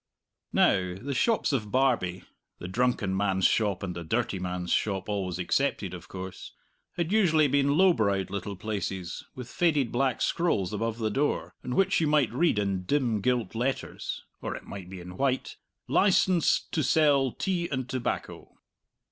Now, the shops of Barbie (the drunken man's shop and the dirty man's shop always excepted, of course) had usually been low browed little places with faded black scrolls above the door, on which you might read in dim gilt letters (or it might be in white) "LICENS'D TO SELL TEA & TOBACCO."